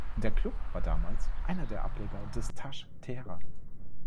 Der Club war damals einer der Ableger des Taj Teheran.